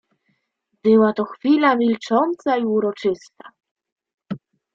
"Była to chwila milcząca i uroczysta."